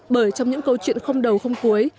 bởi trong những câu chuyện không đầu không cuối